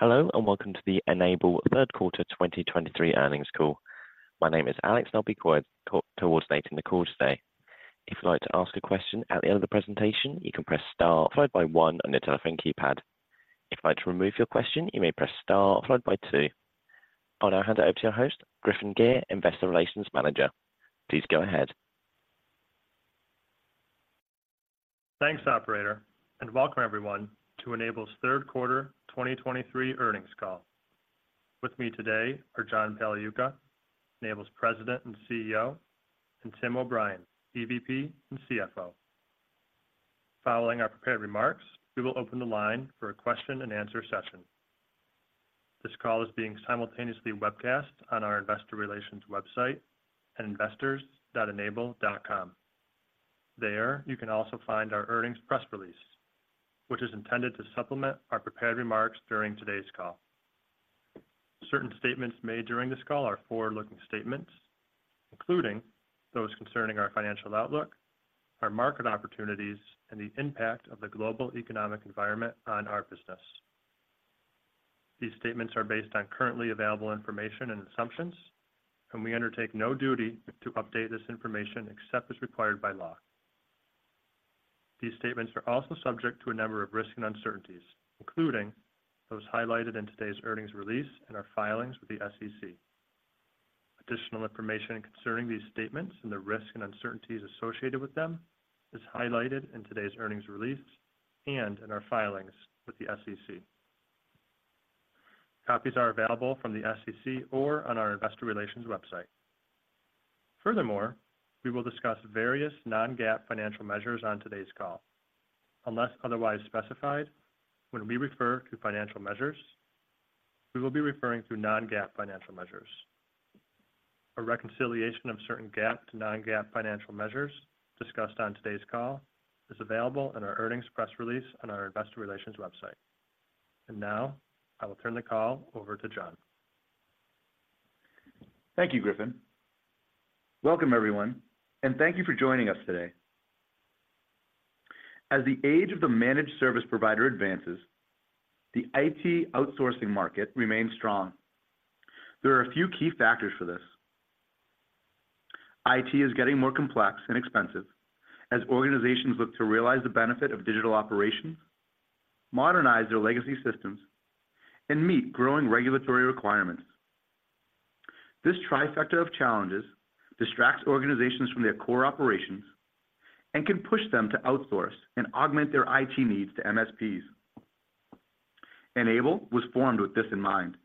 Hello, and welcome to the N-able third quarter 2023 earnings call. My name is Alex, and I'll be coordinating the call today. If you'd like to ask a question at the end of the presentation, you can press Star followed by one on your telephone keypad. If you'd like to remove your question, you may press Star followed by two. I'll now hand it over to our host, Griffin Gyr, Investor Relations Manager. Please go ahead. Thanks, operator, and welcome everyone to N-able's third quarter 2023 earnings call. With me today are John Pagliuca, N-able's President and CEO, and Tim O'Brien, EVP and CFO. Following our prepared remarks, we will open the line for a question-and-answer session. This call is being simultaneously webcast on our investor relations website at investors.n-able.com. There, you can also find our earnings press release, which is intended to supplement our prepared remarks during today's call. Certain statements made during this call are forward-looking statements, including those concerning our financial outlook, our market opportunities, and the impact of the global economic environment on our business. These statements are based on currently available information and assumptions, and we undertake no duty to update this information except as required by law. These statements are also subject to a number of risks and uncertainties, including those highlighted in today's earnings release and our filings with the SEC. Additional information concerning these statements and the risks and uncertainties associated with them is highlighted in today's earnings release and in our filings with the SEC. Copies are available from the SEC or on our investor relations website. Furthermore, we will discuss various non-GAAP financial measures on today's call. Unless otherwise specified, when we refer to financial measures, we will be referring to non-GAAP financial measures. A reconciliation of certain GAAP to non-GAAP financial measures discussed on today's call is available in our earnings press release on our investor relations website. Now, I will turn the call over to John. Thank you, Griffin. Welcome, everyone, and thank you for joining us today. As the age of the managed service provider advances, the IT outsourcing market remains strong. There are a few key factors for this. IT is getting more complex and expensive as organizations look to realize the benefit of digital operations, modernize their legacy systems, and meet growing regulatory requirements. This trifecta of challenges distracts organizations from their core operations and can push them to outsource and augment their IT needs to MSPs. N-able was formed with this in mind.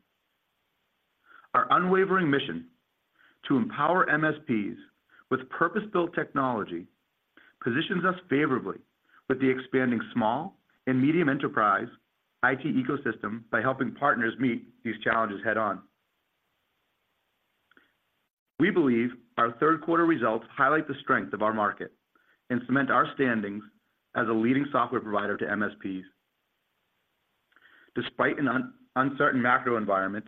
Our unwavering mission: to empower MSPs with purpose-built technology, positions us favorably with the expanding small and medium enterprise IT ecosystem by helping partners meet these challenges head-on. We believe our third quarter results highlight the strength of our market and cement our standings as a leading software provider to MSPs. Despite an uncertain macro environment,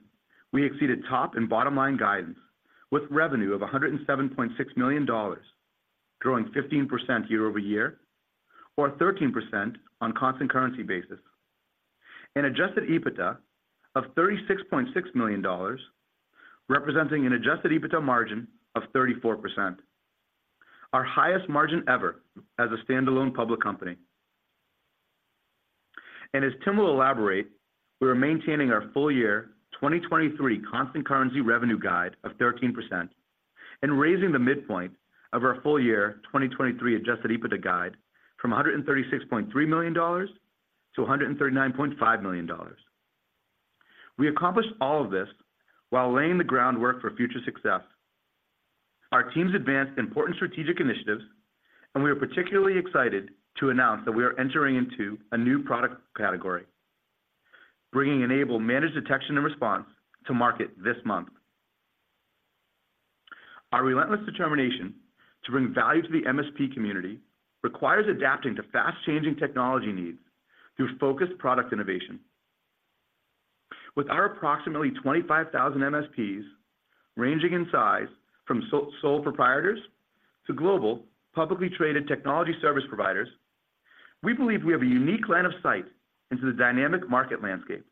we exceeded top and bottom line guidance, with revenue of $107.6 million, growing 15% year over year, or 13% on a constant currency basis. An adjusted EBITDA of $36.6 million, representing an adjusted EBITDA margin of 34%, our highest margin ever as a standalone public company. And as Tim will elaborate, we are maintaining our full year 2023 constant currency revenue guide of 13% and raising the midpoint of our full year 2023 adjusted EBITDA guide from $136.3 million to $139.5 million. We accomplished all of this while laying the groundwork for future success. Our teams advanced important strategic initiatives, and we are particularly excited to announce that we are entering into a new product category, bringing N-able Managed Detection and Response to market this month. Our relentless determination to bring value to the MSP community requires adapting to fast-changing technology needs through focused product innovation. With our approximately 25,000 MSPs, ranging in size from sole proprietors to global, publicly traded technology service providers, we believe we have a unique line of sight into the dynamic market landscape.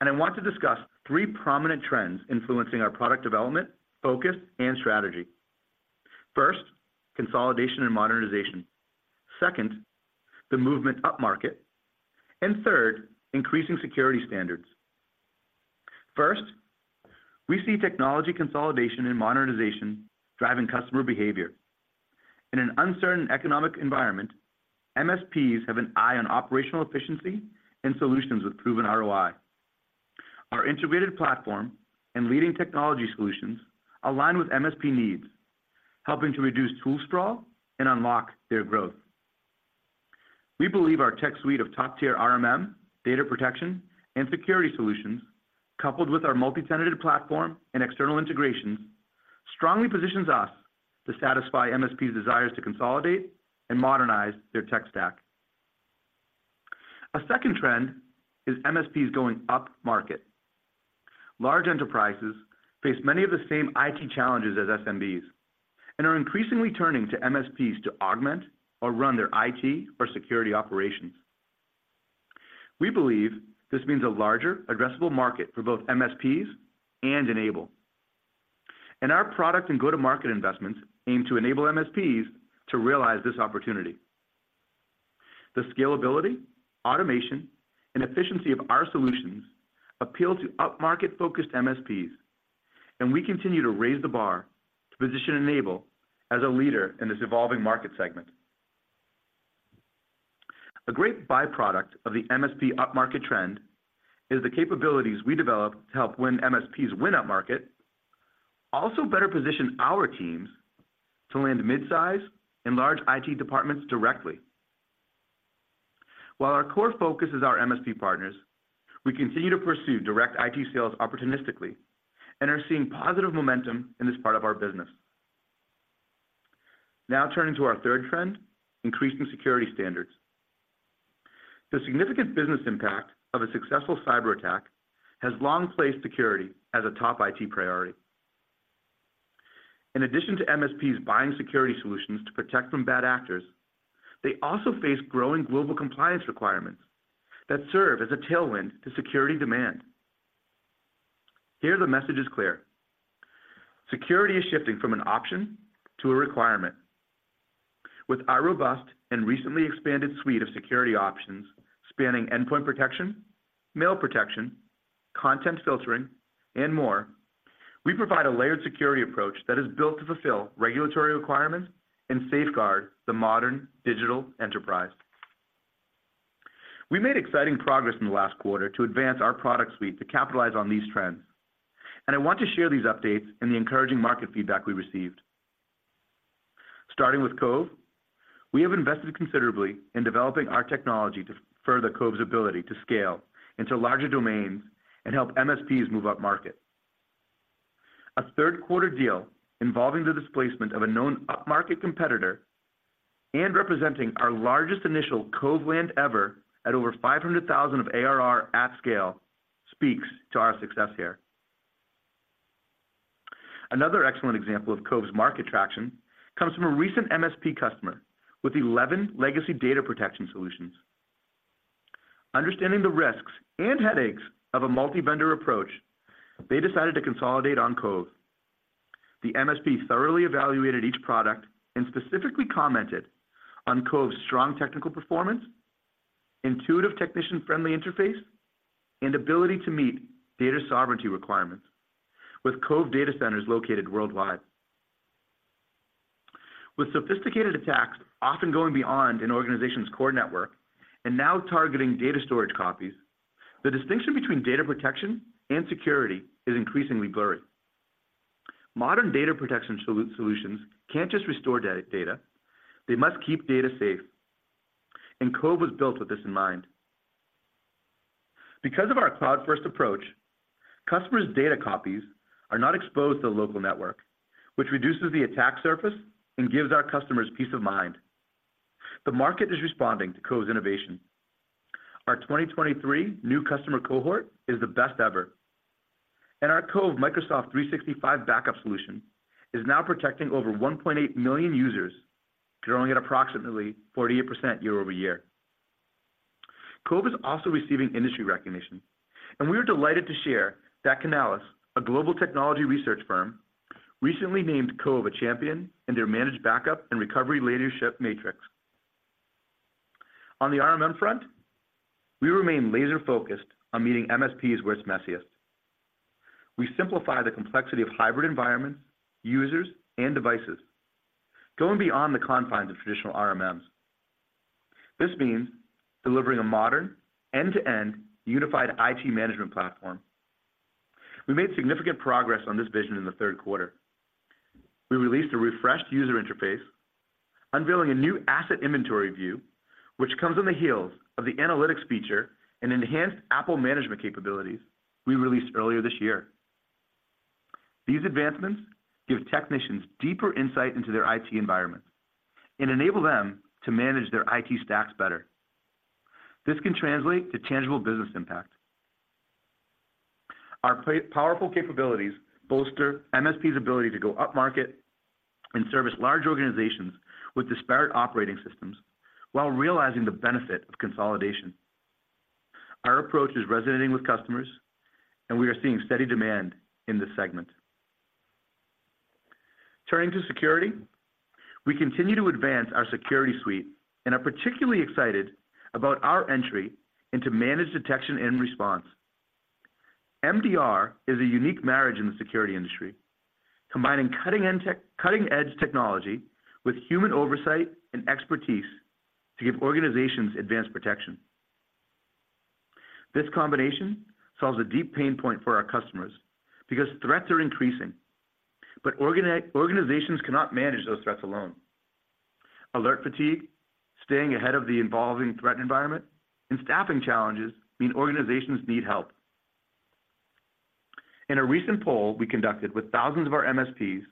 I want to discuss three prominent trends influencing our product development, focus, and strategy. First, consolidation and modernization. Second, the movement upmarket. Third, increasing security standards. First, we see technology consolidation and modernization driving customer behavior. In an uncertain economic environment, MSPs have an eye on operational efficiency and solutions with proven ROI. Our integrated platform and leading technology solutions align with MSP needs, helping to reduce tool sprawl and unlock their growth. We believe our tech suite of top-tier RMM, data protection, and security solutions, coupled with our multitenanted platform and external integrations, strongly positions us to satisfy MSPs' desires to consolidate and modernize their tech stack. A second trend is MSPs going upmarket. Large enterprises face many of the same IT challenges as SMBs and are increasingly turning to MSPs to augment or run their IT or security operations. We believe this means a larger addressable market for both MSPs and N-able, and our product and go-to-market investments aim to enable MSPs to realize this opportunity. The scalability, automation, and efficiency of our solutions appeal to upmarket-focused MSPs, and we continue to raise the bar to position N-able as a leader in this evolving market segment. A great byproduct of the MSP upmarket trend is the capabilities we developed to help win MSPs win upmarket, also better position our teams to land midsize and large IT departments directly. While our core focus is our MSP partners, we continue to pursue direct IT sales opportunistically and are seeing positive momentum in this part of our business. Now, turning to our third trend, increasing security standards. The significant business impact of a successful cyberattack has long placed security as a top IT priority. In addition to MSPs buying security solutions to protect from bad actors, they also face growing global compliance requirements that serve as a tailwind to security demand. Here, the message is clear: security is shifting from an option to a requirement. With our robust and recently expanded suite of security options, spanning endpoint protection, mail protection, content filtering, and more, we provide a layered security approach that is built to fulfill regulatory requirements and safeguard the modern digital enterprise. We made exciting progress in the last quarter to advance our product suite to capitalize on these trends, and I want to share these updates and the encouraging market feedback we received. Starting with Cove, we have invested considerably in developing our technology to further Cove's ability to scale into larger domains and help MSPs move upmarket. A third quarter deal involving the displacement of a known upmarket competitor and representing our largest initial Cove land ever at over $500,000 of ARR at scale, speaks to our success here. Another excellent example of Cove's market traction comes from a recent MSP customer with 11 legacy data protection solutions. Understanding the risks and headaches of a multi-vendor approach, they decided to consolidate on Cove. The MSP thoroughly evaluated each product and specifically commented on Cove's strong technical performance, intuitive technician-friendly interface, and ability to meet data sovereignty requirements with Cove data centers located worldwide. With sophisticated attacks often going beyond an organization's core network and now targeting data storage copies, the distinction between data protection and security is increasingly blurry. Modern data protection solutions can't just restore data, they must keep data safe, and Cove was built with this in mind. Because of our cloud-first approach, customers' data copies are not exposed to the local network, which reduces the attack surface and gives our customers peace of mind. The market is responding to Cove's innovation. Our 2023 new customer cohort is the best ever, and our Cove Microsoft 365 backup solution is now protecting over 1.8 million users, growing at approximately 48% year-over-year. Cove is also receiving industry recognition, and we are delighted to share that Canalys, a global technology research firm, recently named Cove a champion in their Managed Backup and Recovery Leadership Matrix. On the RMM front, we remain laser-focused on meeting MSPs where it's messiest. We simplify the complexity of hybrid environments, users, and devices, going beyond the confines of traditional RMMs. This means delivering a modern, end-to-end, unified IT management platform. We made significant progress on this vision in the third quarter. We released a refreshed user interface, unveiling a new asset inventory view, which comes on the heels of the analytics feature and enhanced Apple management capabilities we released earlier this year. These advancements give technicians deeper insight into their IT environment and enable them to manage their IT stacks better. This can translate to tangible business impact. Our powerful capabilities bolster MSP's ability to go upmarket and service large organizations with disparate operating systems while realizing the benefit of consolidation. Our approach is resonating with customers, and we are seeing steady demand in this segment. Turning to security, we continue to advance our security suite and are particularly excited about our entry into managed detection and response. MDR is a unique marriage in the security industry, combining cutting-edge technology with human oversight and expertise to give organizations advanced protection. This combination solves a deep pain point for our customers because threats are increasing, but organizations cannot manage those threats alone. Alert fatigue, staying ahead of the evolving threat environment, and staffing challenges mean organizations need help. In a recent poll we conducted with thousands of our MSPs,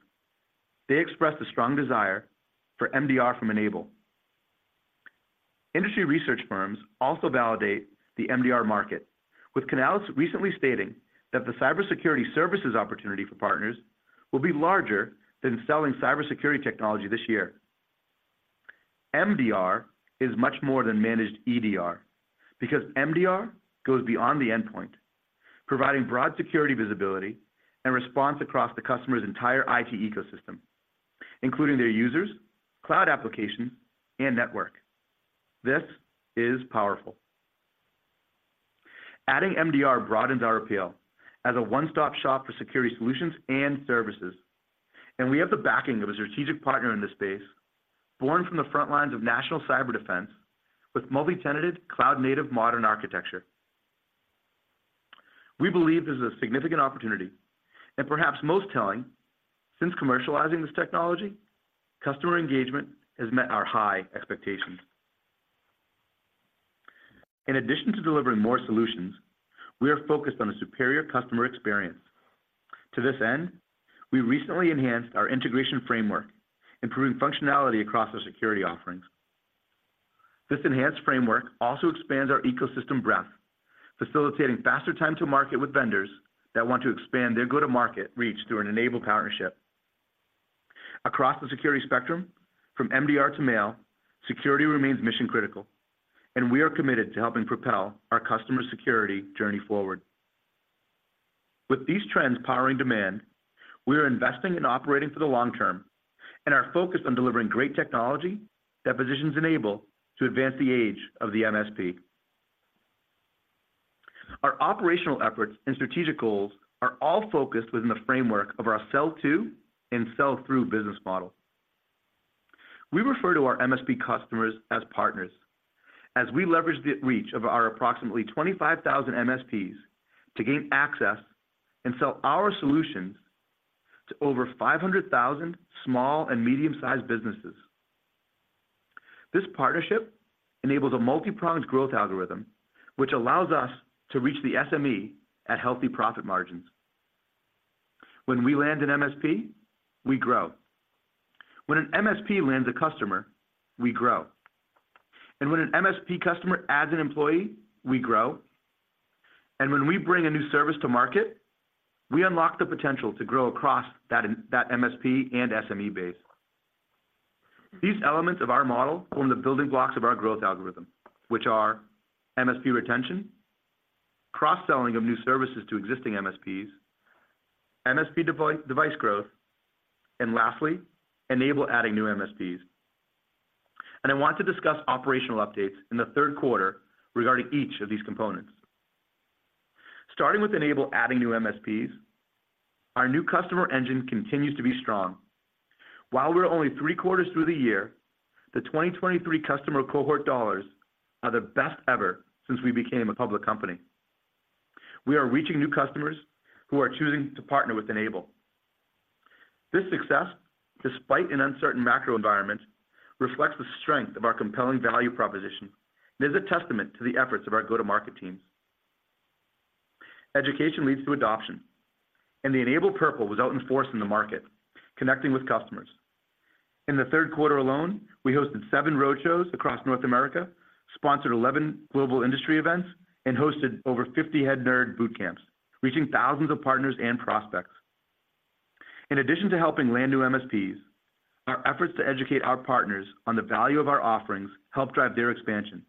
they expressed a strong desire for MDR from N-able. Industry research firms also validate the MDR market, with Canalys recently stating that the cybersecurity services opportunity for partners will be larger than selling cybersecurity technology this year. MDR is much more than managed EDR, because MDR goes beyond the endpoint, providing broad security visibility and response across the customer's entire IT ecosystem, including their users, cloud applications, and network. This is powerful! Adding MDR broadens our appeal as a one-stop shop for security solutions and services, and we have the backing of a strategic partner in this space, born from the front lines of national cyber defense, with multi-tenanted, cloud-native modern architecture. We believe this is a significant opportunity, and perhaps most telling, since commercializing this technology, customer engagement has met our high expectations. In addition to delivering more solutions, we are focused on a superior customer experience. To this end, we recently enhanced our integration framework, improving functionality across our security offerings. This enhanced framework also expands our ecosystem breadth, facilitating faster time to market with vendors that want to expand their go-to-market reach through an N-able partnership. Across the security spectrum, from MDR to mail, security remains mission-critical, and we are committed to helping propel our customer security journey forward. With these trends powering demand, we are investing in operating for the long term and are focused on delivering great technology that positions N-able to advance the age of the MSP. Our operational efforts and strategic goals are all focused within the framework of our sell to and sell through business model. We refer to our MSP customers as partners, as we leverage the reach of our approximately 25,000 MSPs to gain access and sell our solutions to over 500,000 small and medium-sized businesses. This partnership enables a multi-pronged growth algorithm, which allows us to reach the SME at healthy profit margins. When we land an MSP, we grow. When an MSP lands a customer, we grow. And when an MSP customer adds an employee, we grow. And when we bring a new service to market, we unlock the potential to grow across that, that MSP and SME base. These elements of our model form the building blocks of our growth algorithm, which are MSP retention, cross-selling of new services to existing MSPs, MSP device growth, and lastly, N-able adding new MSPs. And I want to discuss operational updates in the third quarter regarding each of these components. Starting with N-able adding new MSPs, our new customer engine continues to be strong. While we're only three quarters through the year, the 2023 customer cohort dollars are the best ever since we became a public company. We are reaching new customers who are choosing to partner with N-able. This success, despite an uncertain macro environment, reflects the strength of our compelling value proposition and is a testament to the efforts of our go-to-market teams. Education leads to adoption, and the N-able purple was out in force in the market, connecting with customers. In the third quarter alone, we hosted seven roadshows across North America, sponsored 11 global industry events, and hosted over 50 Head Nerd boot camps, reaching thousands of partners and prospects. In addition to helping land new MSPs, our efforts to educate our partners on the value of our offerings helped drive their expansion,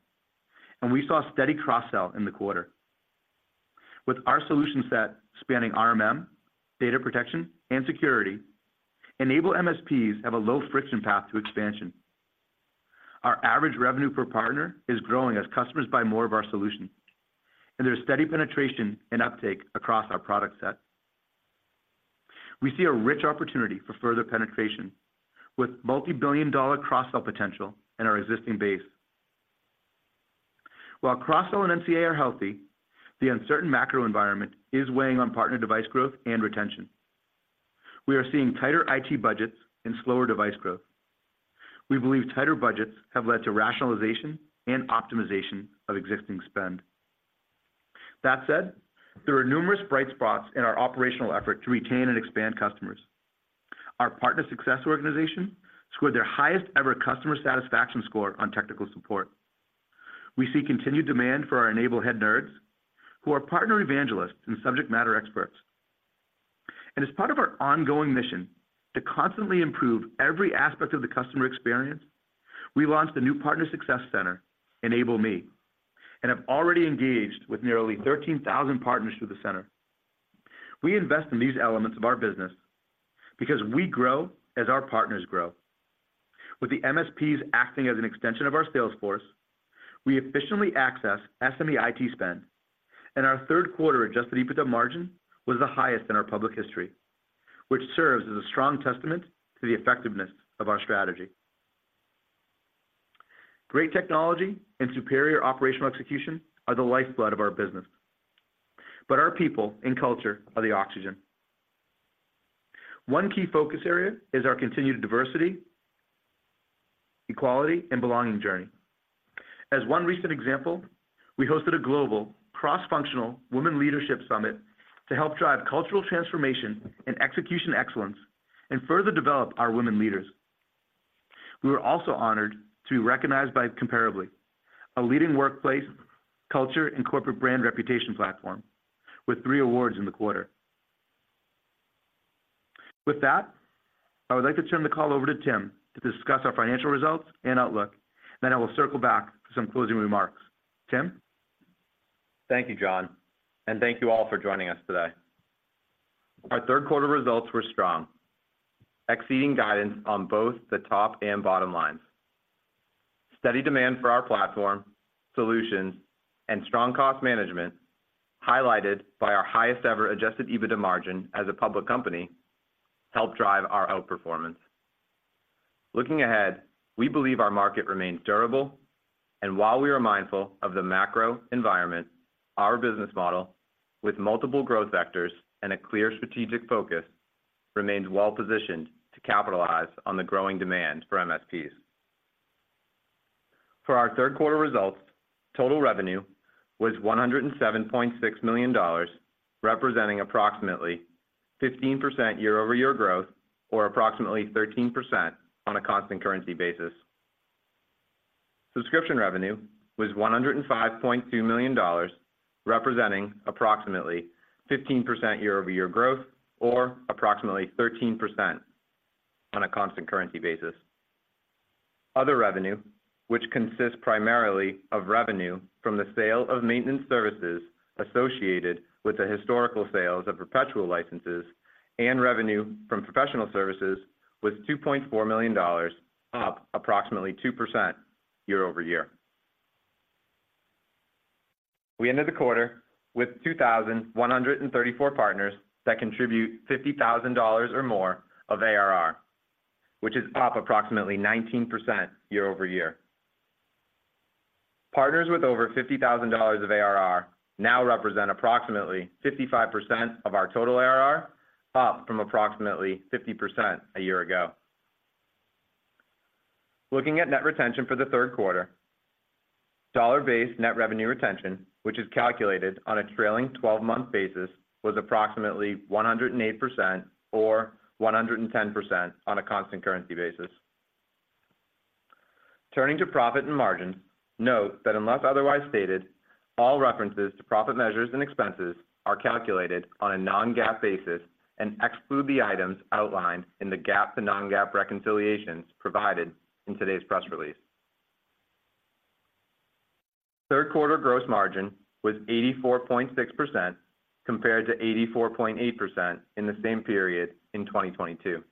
and we saw steady cross-sell in the quarter. With our solution set spanning RMM, data protection, and security, N-able MSPs have a low-friction path to expansion. Our average revenue per partner is growing as customers buy more of our solutions, and there's steady penetration and uptake across our product set. We see a rich opportunity for further penetration, with multi-billion dollar cross-sell potential in our existing base. While cross-sell and NCA are healthy, the uncertain macro environment is weighing on partner device growth and retention. We are seeing tighter IT budgets and slower device growth. We believe tighter budgets have led to rationalization and optimization of existing spend. That said, there are numerous bright spots in our operational effort to retain and expand customers. Our partner success organization scored their highest-ever customer satisfaction score on technical support. We see continued demand for our N-able Head Nerds, who are partner evangelists and subject matter experts. And as part of our ongoing mission to constantly improve every aspect of the customer experience, we launched a new partner success center, N-ableMe, and have already engaged with nearly 13,000 partners through the center. We invest in these elements of our business because we grow as our partners grow. With the MSPs acting as an extension of our sales force, we efficiently access SME IT spend, and our third quarter adjusted EBITDA margin was the highest in our public history, which serves as a strong testament to the effectiveness of our strategy. Great technology and superior operational execution are the lifeblood of our business, but our people and culture are the oxygen. One key focus area is our continued diversity, equality, and belonging journey. As one recent example, we hosted a global cross-functional Women Leadership Summit to help drive cultural transformation and execution excellence, and further develop our women leaders. We were also honored to be recognized by Comparably, a leading workplace culture and corporate brand reputation platform, with three awards in the quarter. With that, I would like to turn the call over to Tim to discuss our financial results and outlook. Then I will circle back for some closing remarks. Tim? Thank you, John, and thank you all for joining us today. Our third quarter results were strong, exceeding guidance on both the top and bottom lines. Steady demand for our platform, solutions, and strong cost management, highlighted by our highest ever Adjusted EBITDA margin as a public company, helped drive our outperformance. Looking ahead, we believe our market remains durable, and while we are mindful of the macro environment, our business model, with multiple growth vectors and a clear strategic focus, remains well positioned to capitalize on the growing demand for MSPs. For our third quarter results, total revenue was $107.6 million, representing approximately 15% year-over-year growth, or approximately 13% on a constant currency basis. Subscription revenue was $105.2 million, representing approximately 15% year-over-year growth, or approximately 13% on a constant currency basis. Other revenue, which consists primarily of revenue from the sale of maintenance services associated with the historical sales of perpetual licenses and revenue from professional services, was $2.4 million, up approximately 2% year-over-year. We ended the quarter with 2,134 partners that contribute $50,000 or more of ARR, which is up approximately 19% year-over-year. Partners with over $50,000 of ARR now represent approximately 55% of our total ARR, up from approximately 50% a year ago. Looking at net retention for the third quarter, dollar-based net revenue retention, which is calculated on a trailing twelve-month basis, was approximately 108%, or 110% on a constant currency basis. Turning to profit and margin, note that unless otherwise stated, all references to profit measures and expenses are calculated on a non-GAAP basis and exclude the items outlined in the GAAP to non-GAAP reconciliations provided in today's press release. Third quarter gross margin was 84.6%, compared to 84.8% in the same period in 2022.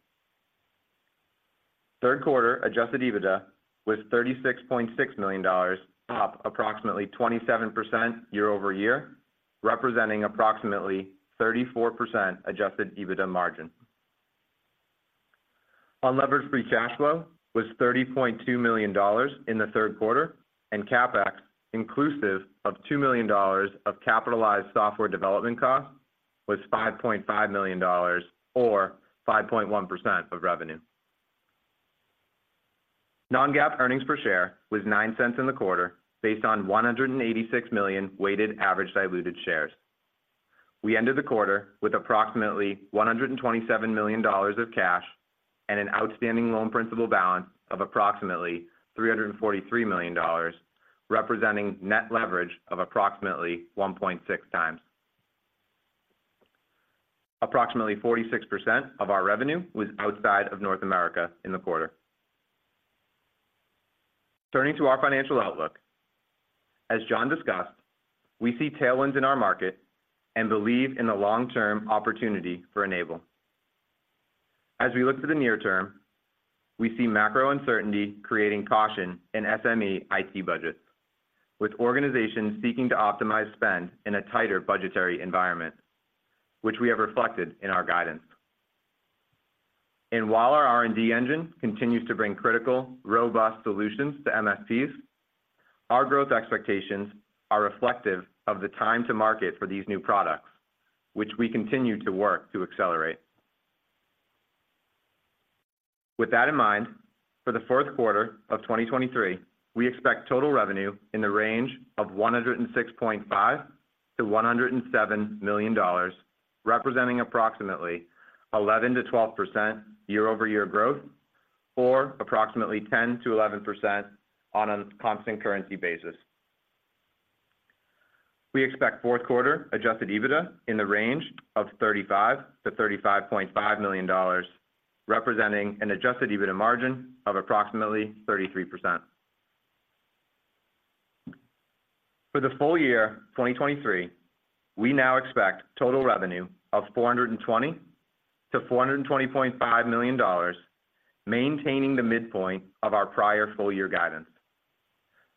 Third quarter adjusted EBITDA was $36.6 million, up approximately 27% year-over-year, representing approximately 34% adjusted EBITDA margin. Our levered free cash flow was $30.2 million in the third quarter, and CapEx, inclusive of $2 million of capitalized software development costs, was $5.5 million, or 5.1% of revenue. Non-GAAP earnings per share was $0.09 in the quarter, based on 186 million weighted average diluted shares. We ended the quarter with approximately $127 million of cash and an outstanding loan principal balance of approximately $343 million, representing net leverage of approximately 1.6x. Approximately 46% of our revenue was outside of North America in the quarter. Turning to our financial outlook, as John discussed, we see tailwinds in our market and believe in the long-term opportunity for N-able. As we look to the near term, we see macro uncertainty creating caution in SME IT budgets, with organizations seeking to optimize spend in a tighter budgetary environment, which we have reflected in our guidance. And while our R&D engine continues to bring critical, robust solutions to MSPs, our growth expectations are reflective of the time to market for these new products, which we continue to work to accelerate. With that in mind, for the fourth quarter of 2023, we expect total revenue in the range of $106.5 million-$107 million, representing approximately 11%-12% year-over-year growth, or approximately 10%-11% on a constant currency basis. We expect fourth quarter adjusted EBITDA in the range of $35 million-$35.5 million, representing an adjusted EBITDA margin of approximately 33%. For the full year 2023, we now expect total revenue of $420 million-$420.5 million, maintaining the midpoint of our prior full year guidance,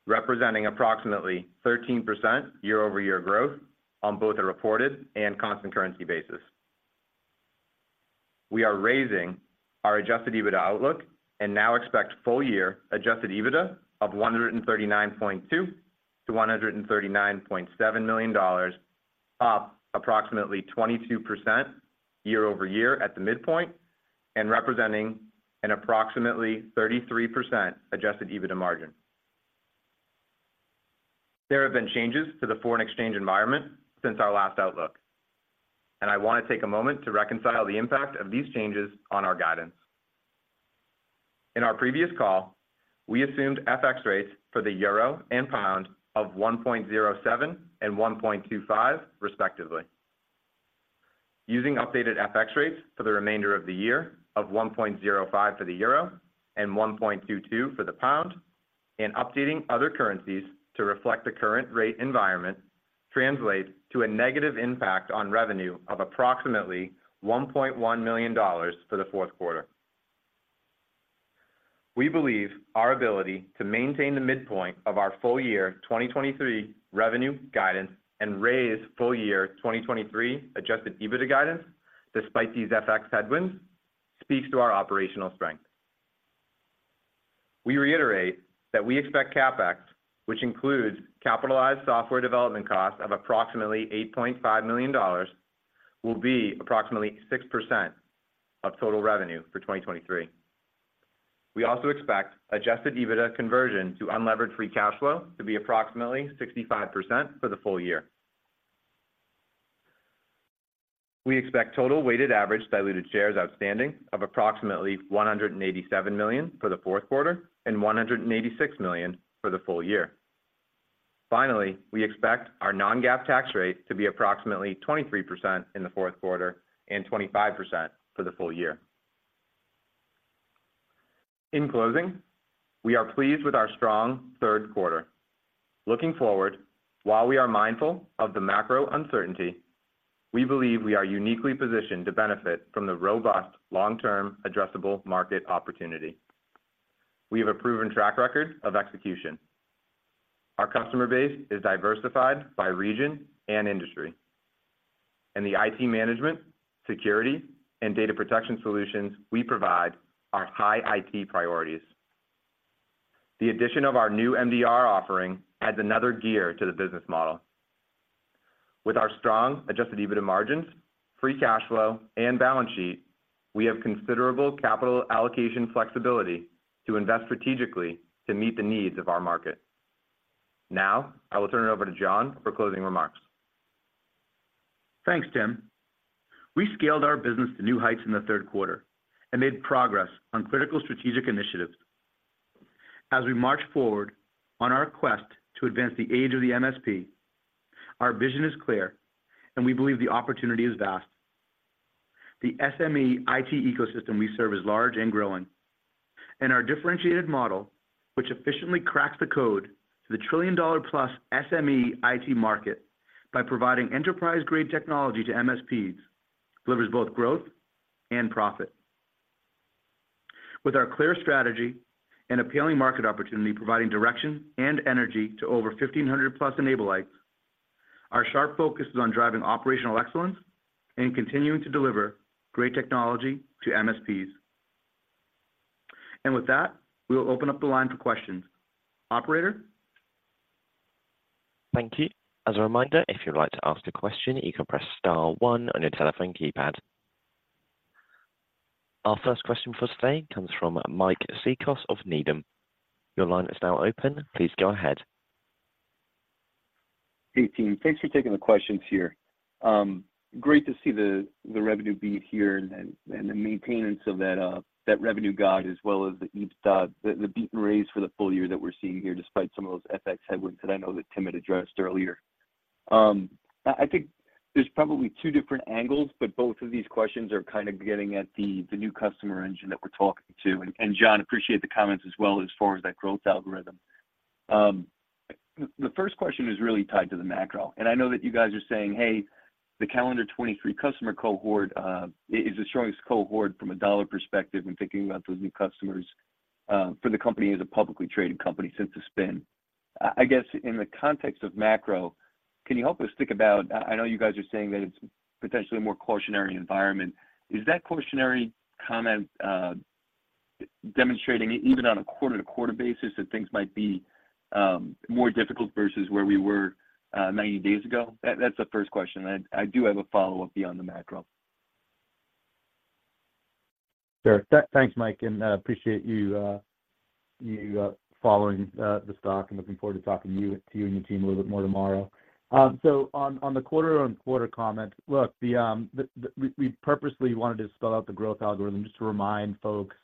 representing approximately 13% year-over-year growth on both a reported and constant currency basis. We are raising our adjusted EBITDA outlook and now expect full year adjusted EBITDA of $139.2 million-$139.7 million, up approximately 22% year-over-year at the midpoint... and representing an approximately 33% adjusted EBITDA margin. There have been changes to the foreign exchange environment since our last outlook, and I want to take a moment to reconcile the impact of these changes on our guidance. In our previous call, we assumed FX rates for the euro and pound of 1.07 and 1.25, respectively. Using updated FX rates for the remainder of the year of 1.05 for the euro and 1.22 for the pound, and updating other currencies to reflect the current rate environment, translate to a negative impact on revenue of approximately $1.1 million for the fourth quarter. We believe our ability to maintain the midpoint of our full year 2023 revenue guidance and raise full year 2023 adjusted EBITDA guidance, despite these FX headwinds, speaks to our operational strength. We reiterate that we expect CapEx, which includes capitalized software development costs of approximately $8.5 million, will be approximately 6% of total revenue for 2023. We also expect adjusted EBITDA conversion to unlevered free cash flow to be approximately 65% for the full year. We expect total weighted average diluted shares outstanding of approximately 187 million for the fourth quarter and 186 million for the full year. Finally, we expect our non-GAAP tax rate to be approximately 23% in the fourth quarter and 25% for the full year. In closing, we are pleased with our strong third quarter. Looking forward, while we are mindful of the macro uncertainty, we believe we are uniquely positioned to benefit from the robust long-term addressable market opportunity. We have a proven track record of execution. Our customer base is diversified by region and industry, and the IT management, security, and data protection solutions we provide are high IT priorities. The addition of our new MDR offering adds another gear to the business model. With our strong Adjusted EBITDA margins, free cash flow, and balance sheet, we have considerable capital allocation flexibility to invest strategically to meet the needs of our market. Now, I will turn it over to John for closing remarks. Thanks, Tim. We scaled our business to new heights in the third quarter and made progress on critical strategic initiatives. As we march forward on our quest to advance the age of the MSP, our vision is clear, and we believe the opportunity is vast. The SME IT ecosystem we serve is large and growing, and our differentiated model, which efficiently cracks the code to the $1 trillion+ SME IT market by providing enterprise-grade technology to MSPs, delivers both growth and profit. With our clear strategy and appealing market opportunity, providing direction and energy to over 1,500+ N-ablites, our sharp focus is on driving operational excellence and continuing to deliver great technology to MSPs. With that, we will open up the line for questions. Operator? Thank you. As a reminder, if you'd like to ask a question, you can press star one on your telephone keypad. Our first question for today comes from Mike Cikos of Needham. Your line is now open. Please go ahead. Hey, team, thanks for taking the questions here. Great to see the revenue beat here and the maintenance of that revenue guide, as well as the EPS, the beat and raise for the full year that we're seeing here, despite some of those FX headwinds that I know that Tim had addressed earlier. I think there's probably two different angles, but both of these questions are kind of getting at the new customer engine that we're talking to. And John, appreciate the comments as well as far as that growth algorithm. The first question is really tied to the macro, and I know that you guys are saying, "Hey, the calendar 2023 customer cohort is the strongest cohort from a dollar perspective," when thinking about those new customers for the company as a publicly traded company since the spin. I guess in the context of macro, can you help us think about... I know you guys are saying that it's potentially a more cautionary environment. Is that cautionary comment demonstrating even on a quarter-to-quarter basis that things might be more difficult versus where we were 90 days ago? That's the first question. I do have a follow-up beyond the macro. Sure. Thanks, Mike, and appreciate you following the stock. I'm looking forward to talking to you and your team a little bit more tomorrow. So on the quarter-on-quarter comment, look, we purposely wanted to spell out the growth algorithm just to remind folks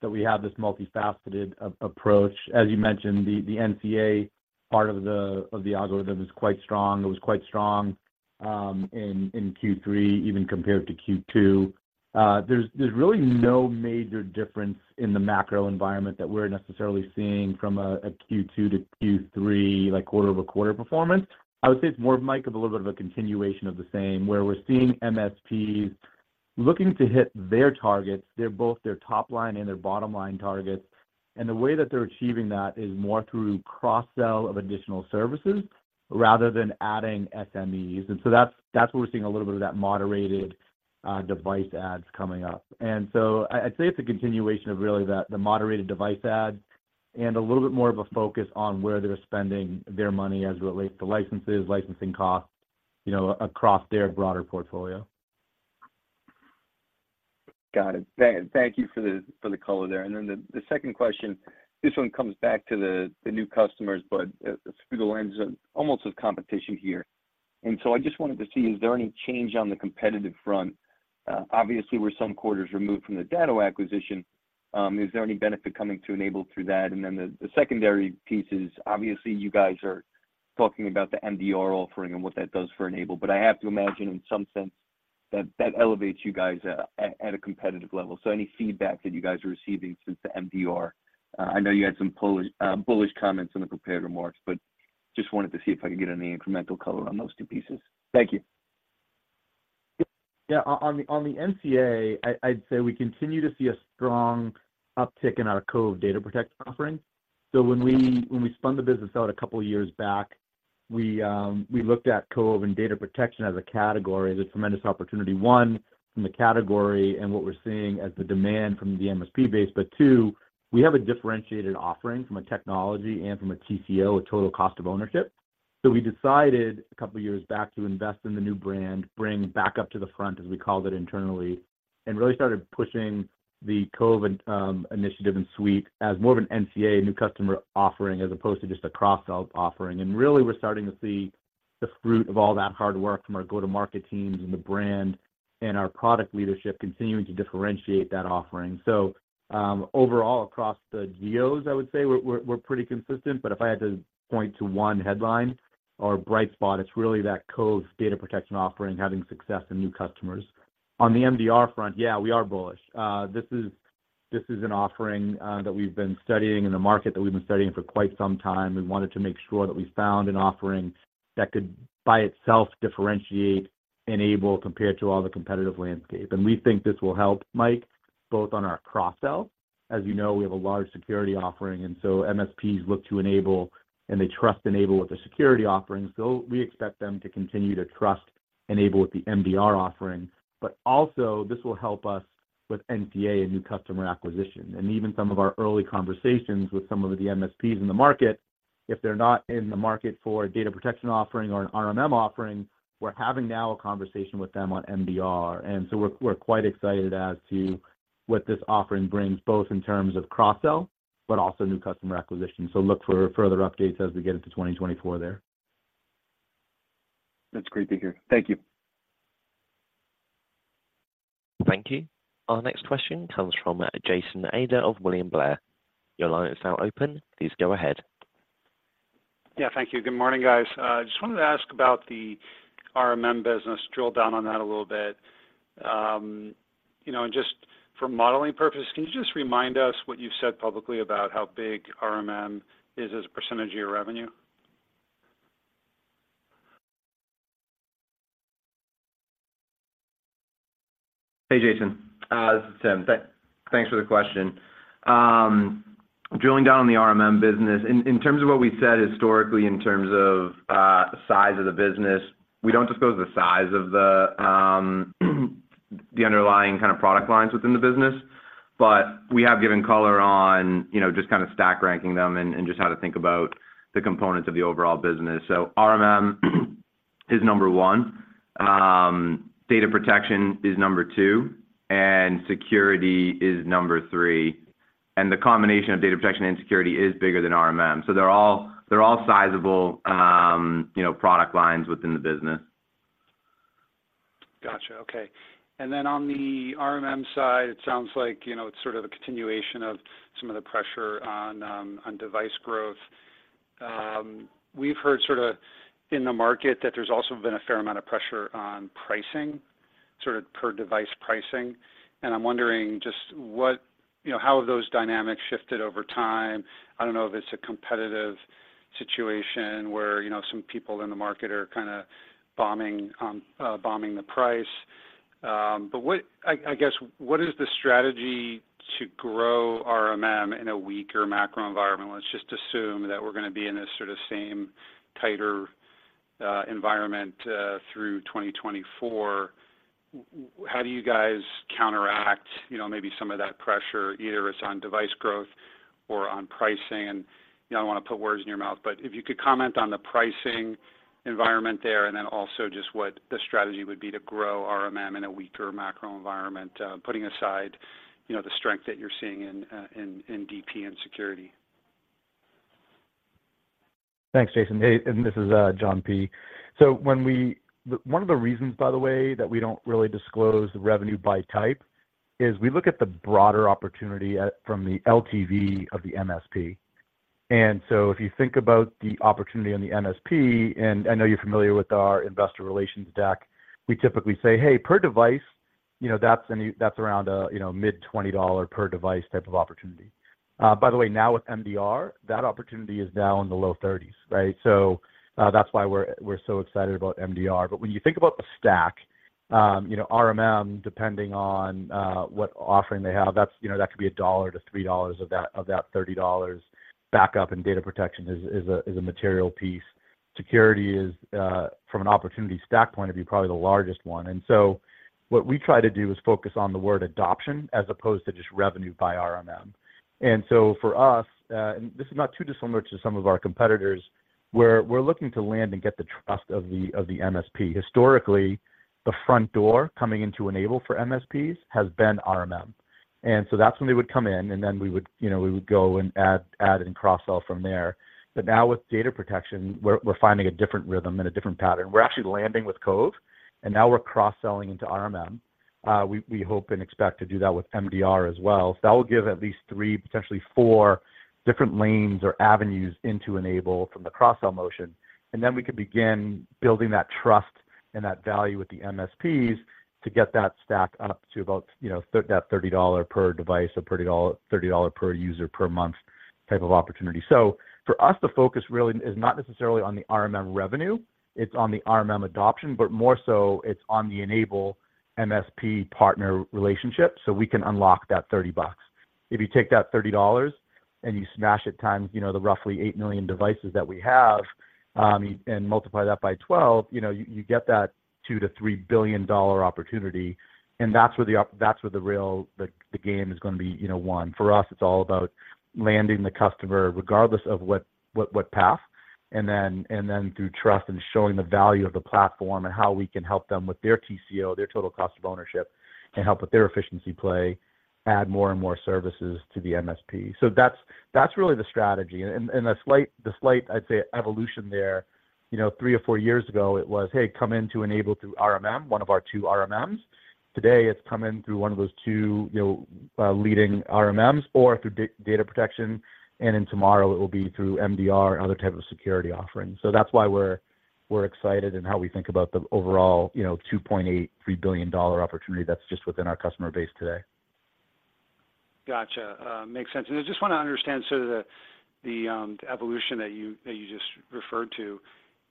that we have this multifaceted approach. As you mentioned, the NCA part of the algorithm is quite strong. It was quite strong in Q3, even compared to Q2. There's really no major difference in the macro environment that we're necessarily seeing from a Q2 to Q3, like, quarter-over-quarter performance. I would say it's more, Mike, of a little bit of a continuation of the same, where we're seeing MSPs looking to hit their targets, both their top line and their bottom line targets. The way that they're achieving that is more through cross-sell of additional services rather than adding SMEs. That's where we're seeing a little bit of that moderated device adds coming up. I'd say it's a continuation of really that, the moderated device adds, and a little bit more of a focus on where they're spending their money as it relates to licenses, licensing costs... you know, across their broader portfolio. Got it. Thank you for the color there. And then the second question, this one comes back to the new customers, but through the lens of almost of competition here. And so I just wanted to see, is there any change on the competitive front? Obviously, we're some quarters removed from the Datto acquisition. Is there any benefit coming to N-able through that? And then the secondary piece is, obviously, you guys are talking about the MDR offering and what that does for N-able, but I have to imagine in some sense that that elevates you guys at a competitive level. So any feedback that you guys are receiving since the MDR? I know you had some bullish, bullish comments in the prepared remarks, but just wanted to see if I could get any incremental color on those two pieces. Thank you. Yeah. On the NCA, I'd say we continue to see a strong uptick in our Cove Data Protection offering. So when we spun the business out a couple of years back, we looked at Cove Data Protection as a category, as a tremendous opportunity, one, from the category and what we're seeing as the demand from the MSP base. But two, we have a differentiated offering from a technology and from a TCO, a Total Cost of Ownership. So we decided a couple of years back to invest in the new brand, bring back up to the front, as we called it internally, and really started pushing the Cove initiative and suite as more of an NCA, new customer offering, as opposed to just a cross-sell offering. Really, we're starting to see the fruit of all that hard work from our go-to-market teams and the brand and our product leadership continuing to differentiate that offering. So, overall, across the geos, I would say we're pretty consistent, but if I had to point to one headline or bright spot, it's really that Cove Data Protection offering, having success in new customers. On the MDR front, yeah, we are bullish. This is an offering that we've been studying in the market that we've been studying for quite some time. We wanted to make sure that we found an offering that could, by itself, differentiate N-able compared to all the competitive landscape. And we think this will help, Mike, both on our cross-sell. As you know, we have a large security offering, and so MSPs look to N-able, and they trust N-able with the security offerings, so we expect them to continue to trust N-able with the MDR offering. But also, this will help us with NCA and new customer acquisition. And even some of our early conversations with some of the MSPs in the market, if they're not in the market for a data protection offering or an RMM offering, we're having now a conversation with them on MDR. And so we're, we're quite excited as to what this offering brings, both in terms of cross-sell, but also new customer acquisition. So look for further updates as we get into 2024 there. That's great to hear. Thank you. Thank you. Our next question comes from Jason Ader of William Blair. Your line is now open. Please go ahead. Yeah, thank you. Good morning, guys. Just wanted to ask about the RMM business, drill down on that a little bit. You know, and just for modeling purposes, can you just remind us what you've said publicly about how big RMM is as a percentage of your revenue? Hey, Jason, this is Tim. Thanks for the question. Drilling down on the RMM business, in terms of what we've said historically in terms of size of the business, we don't disclose the size of the underlying kind of product lines within the business, but we have given color on, you know, just kind of stack ranking them and just how to think about the components of the overall business. So RMM is number one, data protection is number two, and security is number three, and the combination of data protection and security is bigger than RMM. So they're all sizable, you know, product lines within the business. Gotcha. Okay. And then on the RMM side, it sounds like, you know, it's sort of a continuation of some of the pressure on device growth. We've heard sort of in the market that there's also been a fair amount of pressure on pricing, sort of per device pricing. And I'm wondering just what... You know, how have those dynamics shifted over time? I don't know if it's a competitive situation where, you know, some people in the market are kinda bombing the price. But what—I guess, what is the strategy to grow RMM in a weaker macro environment? Let's just assume that we're gonna be in this sorta same tighter environment through 2024. How do you guys counteract, you know, maybe some of that pressure, either it's on device growth or on pricing? You know, I don't wanna put words in your mouth, but if you could comment on the pricing environment there, and then also just what the strategy would be to grow RMM in a weaker macro environment, putting aside, you know, the strength that you're seeing in DP and security. Thanks, Jason. Hey, and this is, John P. One of the reasons, by the way, that we don't really disclose the revenue by type is we look at the broader opportunity at, from the LTV of the MSP. And so if you think about the opportunity on the MSP, and I know you're familiar with our investor relations deck, we typically say, "Hey, per device, you know, that's around, you know, mid-$20 per device type of opportunity." By the way, now with MDR, that opportunity is now in the low $30s, right? So, that's why we're, we're so excited about MDR. But when you think about the stack, you know, RMM, depending on, what offering they have, that's, you know, that could be $1-$3 of that, of that $30. Backup and data protection is a material piece. Security is from an opportunity stack point of view, probably the largest one. And so what we try to do is focus on the word adoption as opposed to just revenue by RMM. And so for us, and this is not too dissimilar to some of our competitors. We're looking to land and get the trust of the MSP. Historically, the front door coming into N-able for MSPs has been RMM. And so that's when they would come in, and then we would, you know, we would go and add and cross-sell from there. But now with data protection, we're finding a different rhythm and a different pattern. We're actually landing with Cove, and now we're cross-selling into RMM. We hope and expect to do that with MDR as well. So that will give at least three, potentially four different lanes or avenues into N-able from the cross-sell motion, and then we can begin building that trust and that value with the MSPs to get that stack up to about, you know, $30 per device or $30 per user per month type of opportunity. So for us, the focus really is not necessarily on the RMM revenue, it's on the RMM adoption, but more so, it's on the N-able MSP partner relationship, so we can unlock that $30. If you take that $30 and you smash it times, you know, the roughly 8 million devices that we have, and multiply that by 12, you know, you get that $2 billion-$3 billion opportunity, and that's where the op-- that's where the real, the, the game is gonna be, you know, won. For us, it's all about landing the customer, regardless of what, what, what path, and then, and then through trust and showing the value of the platform and how we can help them with their TCO, their Total Cost of Ownership, and help with their efficiency play, add more and more services to the MSP. So that's, that's really the strategy. And, and, and the slight, the slight, I'd say, evolution there, you know, three or four years ago, it was, "Hey, come in to N-able through RMM," one of our two RMMs. Today, it's come in through one of those two, you know, leading RMMs or through data protection, and then tomorrow it will be through MDR and other types of security offerings. So that's why we're, we're excited and how we think about the overall, you know, $2.8 billion-$3 billion opportunity that's just within our customer base today. Gotcha, makes sense. And I just wanna understand, so the evolution that you just referred to,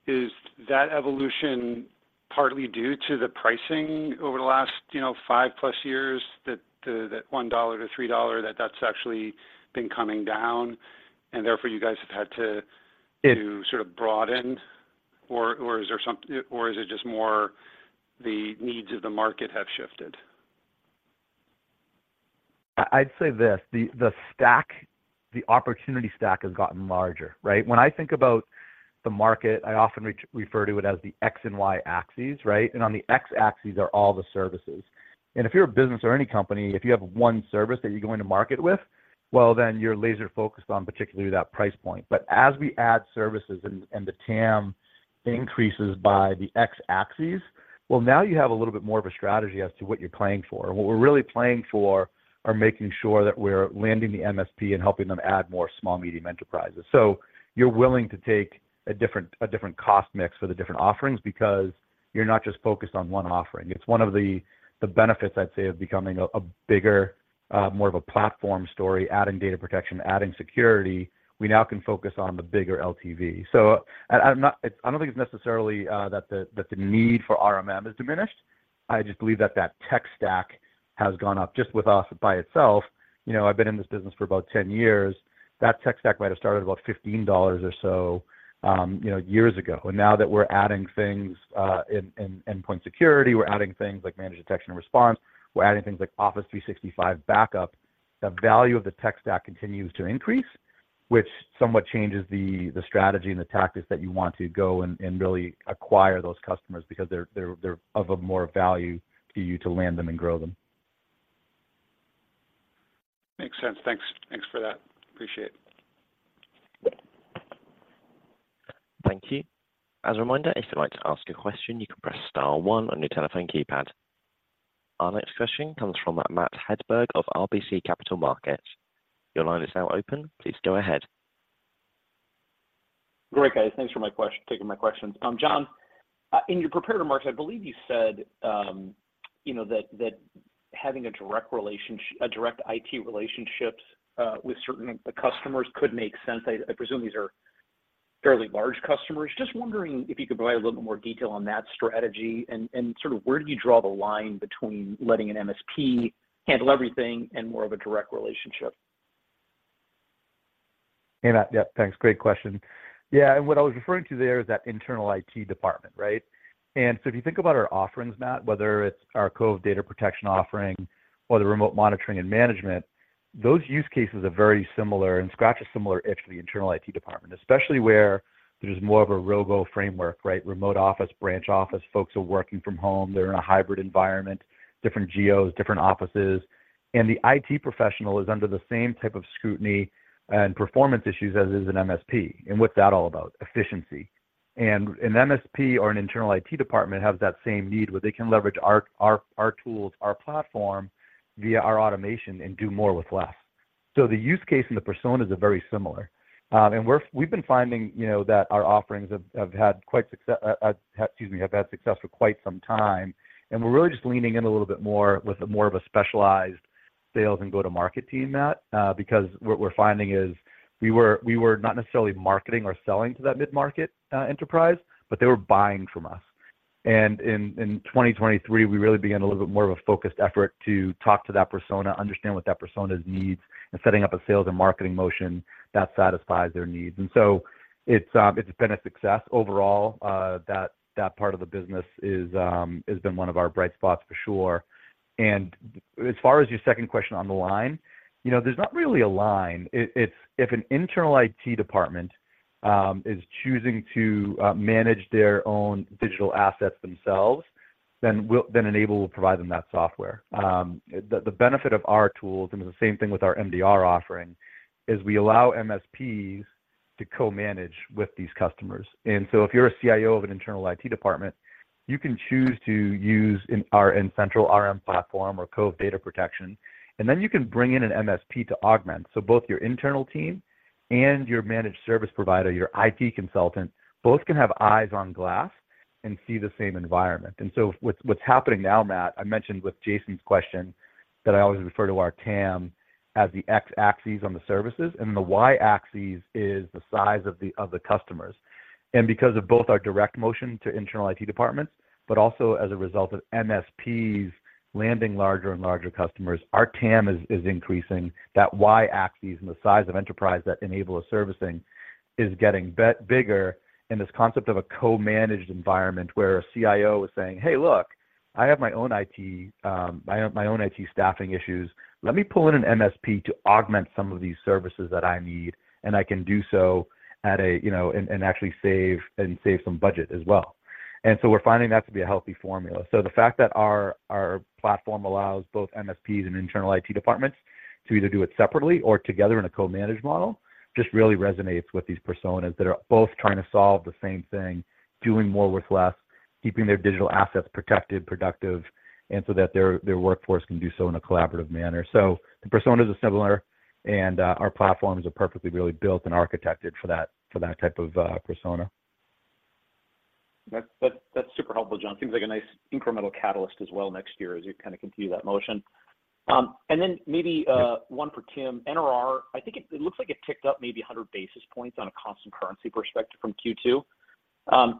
is that evolution partly due to the pricing over the last, you know, 5+ years? That the $1-$3, that's actually been coming down, and therefore you guys have had to- Yes... to sort of broaden, or, or is there something, or is it just more the needs of the market have shifted? I'd say this, the stack, the opportunity stack has gotten larger, right? When I think about the market, I often refer to it as the X and Y axes, right? And on the X axis are all the services. And if you're a business or any company, if you have one service that you go into market with, well, then you're laser focused on particularly that price point. But as we add services and the TAM increases by the X axis, well, now you have a little bit more of a strategy as to what you're playing for. And what we're really playing for are making sure that we're landing the MSP and helping them add more small, medium enterprises. So you're willing to take a different cost mix for the different offerings because you're not just focused on one offering. It's one of the benefits, I'd say, of becoming a bigger, more of a platform story, adding data protection, adding security, we now can focus on the bigger LTV. So, I'm not. I don't think it's necessarily that the need for RMM has diminished. I just believe that the tech stack has gone up just with us by itself. You know, I've been in this business for about 10 years. That tech stack might have started about $15 or so, you know, years ago. Now that we're adding things in endpoint security, we're adding things like managed detection and response, we're adding things like Office 365 backup, the value of the tech stack continues to increase, which somewhat changes the strategy and the tactics that you want to go and really acquire those customers because they're of a more value to you to land them and grow them. Makes sense. Thanks. Thanks for that. Appreciate it. Thank you. As a reminder, if you'd like to ask a question, you can press star one on your telephone keypad. Our next question comes from Matt Hedberg of RBC Capital Markets. Your line is now open. Please go ahead. Great, guys. Thanks for taking my question. John, in your prepared remarks, I believe you said, you know, that having a direct IT relationships with certain of the customers could make sense. I presume these are fairly large customers. Just wondering if you could provide a little more detail on that strategy, and sort of where do you draw the line between letting an MSP handle everything and more of a direct relationship? Hey, Matt. Yeah, thanks. Great question. Yeah, and what I was referring to there is that internal IT department, right? And so if you think about our offerings, Matt, whether it's our Cove Data Protection offering or the remote monitoring and management, those use cases are very similar, and an MSP is similarish to the internal IT department, especially where there's more of a ROBO framework, right? Remote office, branch office, folks are working from home, they're in a hybrid environment, different geos, different offices, and the IT professional is under the same type of scrutiny and performance issues as is an MSP. And what's that all about? Efficiency. And an MSP or an internal IT department has that same need, where they can leverage our tools, our platform, via our automation and do more with less. So the use case and the personas are very similar. And we're-- we've been finding, you know, that our offerings have had success for quite some time, and we're really just leaning in a little bit more with a more of a specialized sales and go-to-market team, Matt, because what we're finding is we were not necessarily marketing or selling to that mid-market enterprise, but they were buying from us. And in 2023, we really began a little bit more of a focused effort to talk to that persona, understand what that persona's needs, and setting up a sales and marketing motion that satisfies their needs. And so it's been a success overall. That part of the business is has been one of our bright spots for sure. As far as your second question on the line, you know, there's not really a line. It's if an internal IT department is choosing to manage their own digital assets themselves, then N-able will provide them that software. The benefit of our tools, and the same thing with our MDR offering, is we allow MSPs to co-manage with these customers. And so if you're a CIO of an internal IT department, you can choose to use our N-central RMM platform or Cove Data Protection, and then you can bring in an MSP to augment. So both your internal team and your managed service provider, your IT consultant, both can have eyes on glass and see the same environment. So what's happening now, Matt. I mentioned with Jason's question that I always refer to our TAM as the X axes on the services, and the Y axes is the size of the customers. Because of both our direct motion to internal IT departments, but also as a result of MSPs landing larger and larger customers, our TAM is increasing. That Y axes and the size of enterprise that N-able is servicing is getting bigger in this concept of a co-managed environment, where a CIO is saying, "Hey, look, I have my own IT. I have my own IT staffing issues. Let me pull in an MSP to augment some of these services that I need, and I can do so at a, you know, and actually save some budget as well." And so we're finding that to be a healthy formula. So the fact that our platform allows both MSPs and internal IT departments to either do it separately or together in a co-managed model just really resonates with these personas that are both trying to solve the same thing, doing more with less, keeping their digital assets protected, productive, and so that their workforce can do so in a collaborative manner. So the personas are similar, and our platforms are perfectly really built and architected for that, for that type of persona. That's super helpful, John. Seems like a nice incremental catalyst as well next year as you kind of continue that motion. And then maybe one for Tim. NRR, I think it looks like it ticked up maybe 100 basis points on a constant currency perspective from Q2.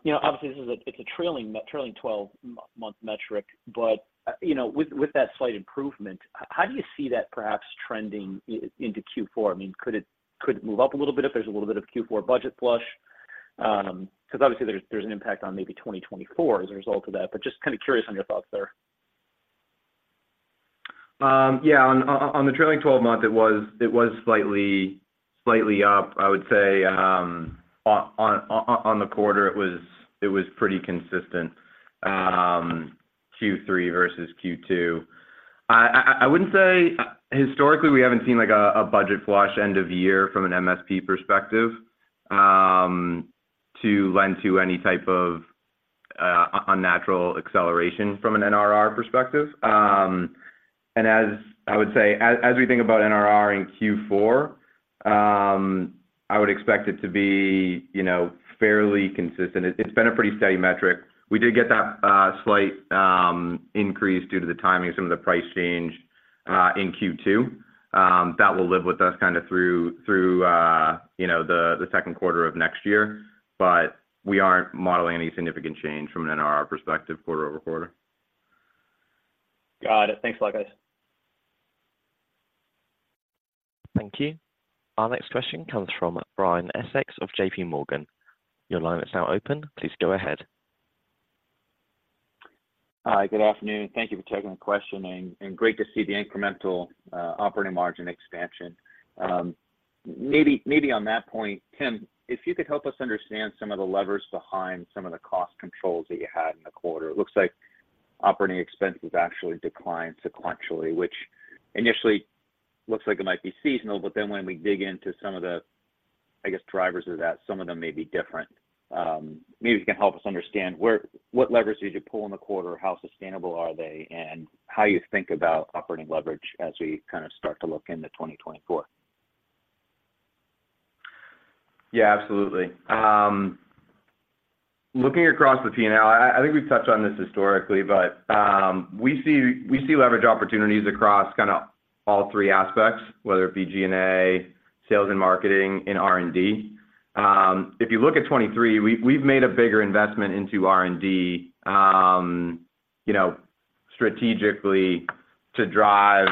You know, obviously, this is a, it's a trailing 12-month metric, but you know, with that slight improvement, how do you see that perhaps trending into Q4? I mean, could it move up a little bit if there's a little bit of Q4 budget flush? Because obviously there's an impact on maybe 2024 as a result of that, but just kind of curious on your thoughts there. Yeah, on the trailing 12-month, it was slightly up. I would say, on the quarter, it was pretty consistent, Q3 versus Q2. I wouldn't say... Historically, we haven't seen, like, a budget flush end of year from an MSP perspective, to lend to any type of unnatural acceleration from an NRR perspective. And as I would say, as we think about NRR in Q4, I would expect it to be, you know, fairly consistent. It's been a pretty steady metric. We did get that slight increase due to the timing of some of the price change in Q2. That will live with us kind of through, you know, the second quarter of next year, but we aren't modeling any significant change from an NRR perspective quarter-over-quarter. Got it. Thanks a lot, guys. Thank you. Our next question comes from Brian Essex of J.P. Morgan. Your line is now open. Please go ahead. Hi, good afternoon. Thank you for taking the question, and great to see the incremental operating margin expansion. Maybe, maybe on that point, Tim, if you could help us understand some of the levers behind some of the cost controls that you had in the quarter. It looks like operating expenses actually declined sequentially, which initially looks like it might be seasonal, but then when we dig into some of the, I guess, drivers of that, some of them may be different. Maybe you can help us understand what levers did you pull in the quarter, how sustainable are they, and how you think about operating leverage as we kind of start to look into 2024. Yeah, absolutely. Looking across the P&L, I, I think we've touched on this historically, but, we see, we see leverage opportunities across kind of all three aspects, whether it be G&A, sales and marketing, and R&D. If you look at 2023, we've, we've made a bigger investment into R&D, you know, strategically to drive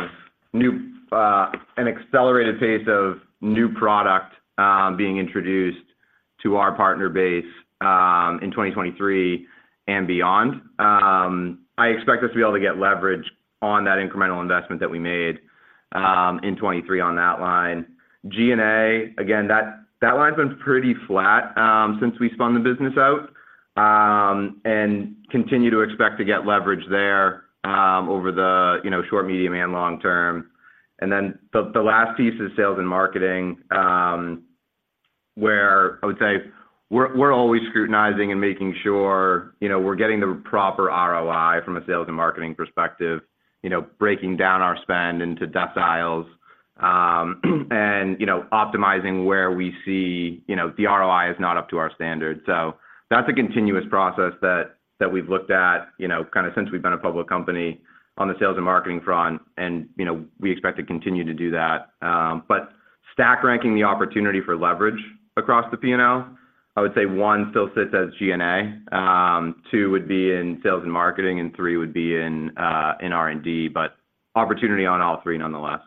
new—an accelerated pace of new product, being introduced to our partner base, in 2023 and beyond. I expect us to be able to get leverage on that incremental investment that we made, in 2023 on that line. G&A, again, that, that line's been pretty flat, since we spun the business out, and continue to expect to get leverage there, over the, you know, short, medium, and long term. And then the last piece is sales and marketing, where I would say we're always scrutinizing and making sure, you know, we're getting the proper ROI from a sales and marketing perspective, you know, breaking down our spend into deciles, and, you know, optimizing where we see, you know, the ROI is not up to our standards. So that's a continuous process that we've looked at, you know, kind of since we've been a public company on the sales and marketing front, and, you know, we expect to continue to do that. But stack ranking the opportunity for leverage across the PNL, I would say one still sits as G&A, two would be in sales and marketing, and three would be in R&D, but opportunity on all three, nonetheless.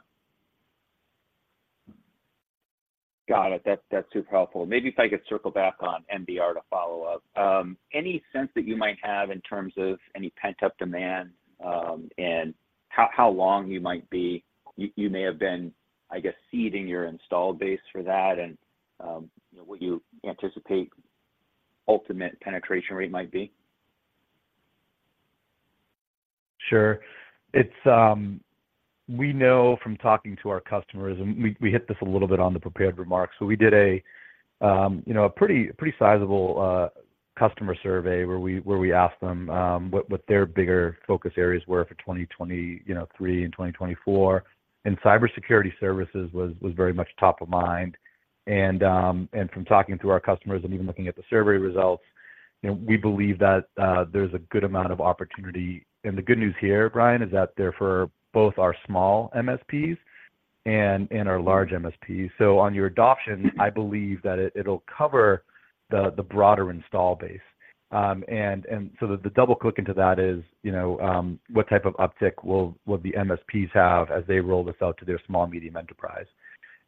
Got it. That's, that's super helpful. Maybe if I could circle back on NRR to follow up. Any sense that you might have in terms of any pent-up demand, and how long you might be? You, you may have been, I guess, seeding your installed base for that, and what you anticipate ultimate penetration rate might be. Sure. It's we know from talking to our customers, and we hit this a little bit on the prepared remarks. So we did a, you know, a pretty, pretty sizable customer survey where we asked them what their bigger focus areas were for 2023 and 2024, and cybersecurity services was very much top of mind. And from talking to our customers and even looking at the survey results, you know, we believe that there's a good amount of opportunity. And the good news here, Brian, is that they're for both our small MSPs and our large MSPs. So on your adoption, I believe that it, it'll cover the broader install base. And so the double click into that is, you know, what type of uptick will the MSPs have as they roll this out to their small medium enterprise?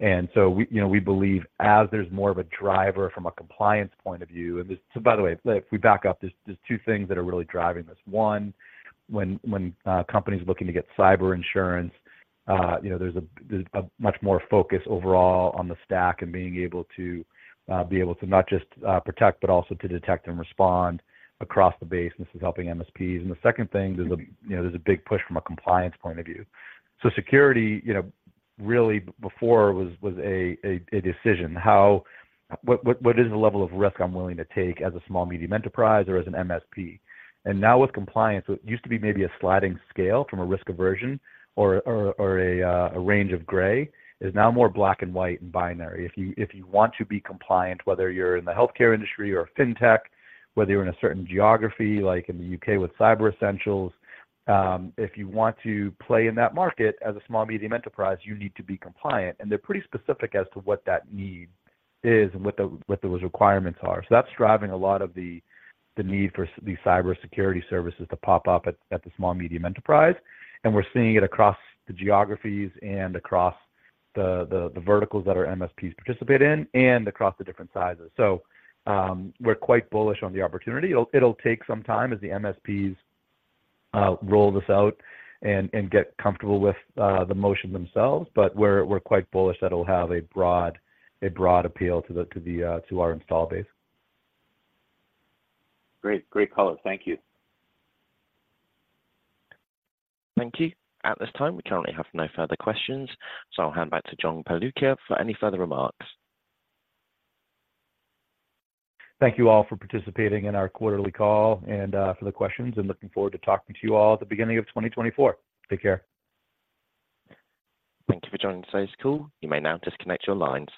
And so we, you know, we believe as there's more of a driver from a compliance point of view, and this— So by the way, if we back up, there are two things that are really driving this. One, when companies are looking to get cyber insurance, you know, there's a much more focus overall on the stack and being able to not just protect, but also to detect and respond across the base, and this is helping MSPs. And the second thing, you know, there's a big push from a compliance point of view. So security, you know, really before was a decision. What is the level of risk I'm willing to take as a small medium enterprise or as an MSP? And now with compliance, what used to be maybe a sliding scale from a risk aversion or a range of gray, is now more black and white and binary. If you want to be compliant, whether you're in the healthcare industry or fintech, whether you're in a certain geography, like in the U.K. with Cyber Essentials, if you want to play in that market as a small medium enterprise, you need to be compliant. And they're pretty specific as to what that need is and what those requirements are. So that's driving a lot of the need for these cybersecurity services to pop up at the small medium enterprise. And we're seeing it across the geographies and across the verticals that our MSPs participate in and across the different sizes. So, we're quite bullish on the opportunity. It'll take some time as the MSPs roll this out and get comfortable with the motion themselves, but we're quite bullish that it'll have a broad appeal to our install base. Great. Great call. Thank you. Thank you. At this time, we currently have no further questions, so I'll hand back to John Pagliuca for any further remarks. Thank you all for participating in our quarterly call and, for the questions, and looking forward to talking to you all at the beginning of 2024. Take care. Thank you for joining today's call. You may now disconnect your lines.